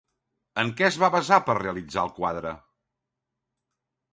En què es va basar per realitzar el quadre?